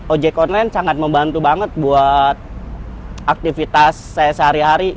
ojek online sangat membantu banget buat aktivitas saya sehari hari